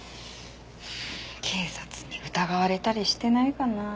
警察に疑われたりしてないかなあ？